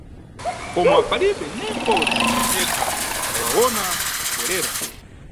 Koma, palibe neye mʼbodzi yekha adawawona pa kubwerera.